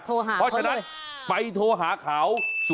เพราะฉะนั้นไปโทรหาเขา๐๘๑๔๓๓๒๒๔๔